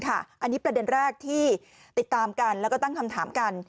อันนี้ประเด็นแรกที่ติดตามกันแล้วก็ตั้งคำถามกัน